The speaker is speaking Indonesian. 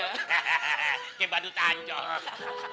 hahaha kayak badut anjong